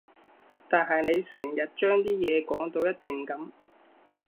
但係你成日將啲嘢講到一定噉